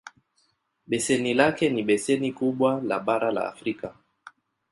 Beseni lake ni beseni kubwa le bara la Afrika.